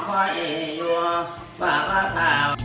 ฝากว่าข้าว